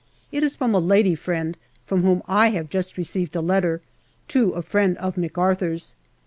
It is from a lady friend, from whom I have just received a letter, to a friend of McArthur's.